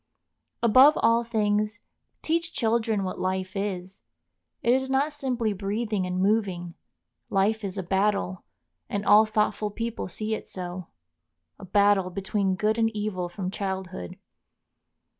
Above all things, teach children what life is. It is not simply breathing and moving. Life is a battle, and all thoughtful people see it so,—a battle between good and evil from childhood.